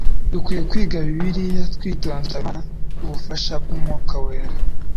Dukwiye kwiga Bibliya twitonze, dusaba Imana ubufasha bw'Umwuka Wera